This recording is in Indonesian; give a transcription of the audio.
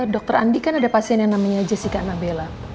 dokter andi kan ada pasien yang namanya jessica nabella